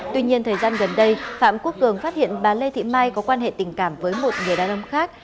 tuy nhiên thời gian gần đây phạm quốc cường phát hiện bà lê thị mai có quan hệ tình cảm với một người đàn ông khác